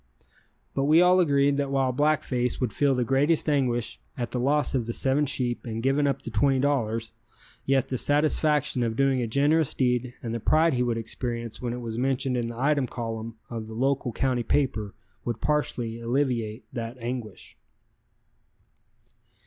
But we all agreed that while Black Face would feel the greatest anguish at the loss of the seven sheep and giving up the $20, yet the satisfaction of doing a generous deed and the pride he would experience when it was mentioned in the item column of the local county paper would partially alleviate that anguish.